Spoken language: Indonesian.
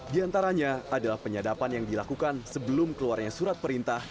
di antaranya adalah penyadapan yang dilakukan sebelum keluarnya surat perintah